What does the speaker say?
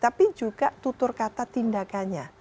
tapi juga tutur kata tindakannya